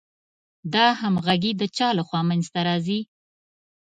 دا همغږي د چا له خوا منځ ته راځي؟